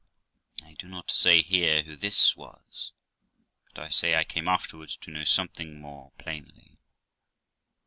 I do not say here who this was, but I say I came afterwards to know something more plainly.